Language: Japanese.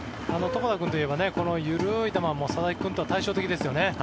床田君といえばこの緩い球佐々木君とは対照的ですよね。